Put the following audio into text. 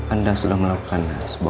anda sudah melakukan sebuah